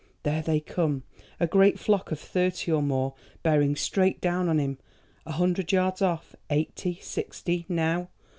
There they come, a great flock of thirty or more, bearing straight down on him, a hundred yards off—eighty—sixty—now.